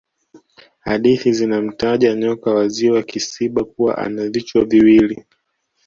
hadithi zinamtaja nyoka wa ziwa kisiba kuwa ana vichwa viwili